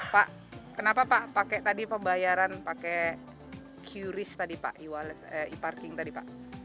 pak kenapa pak pakai tadi pembayaran pakai qris tadi pak e parking tadi pak